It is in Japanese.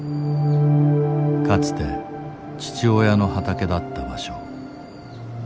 かつて父親の畑だった場所。